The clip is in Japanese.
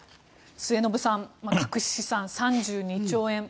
末延さん隠し資産３２兆円。